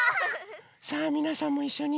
さあみなさんもいっしょに。